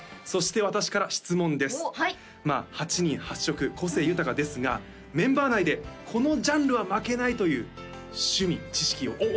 そして私から質問ですはいまあ８人８色個性豊かですがメンバー内でこのジャンルは負けないという趣味知識をおっおおっ早い何でしょう？